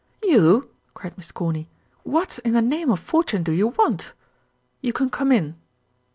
"You!" cried Miss Corny. "What in the name of fortune do you want? You can come in."